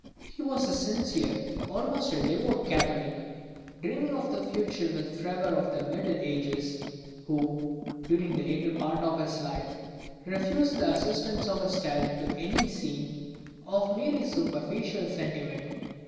He was a sincere, almost a devout Catholic, dreaming of the future with the fervor of the Middle Ages, who, during the latter part of his life, refused the assistance of his talent to any scene of merely superficial sentiment.